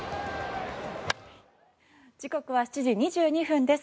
時刻は７時２２分です。